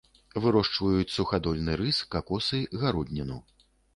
Вырошчваюць сухадольны рыс, какосы, гародніну.